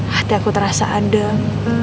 hati aku terasa adem